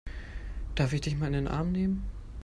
Darf ich dich mal in den Arm nehmen?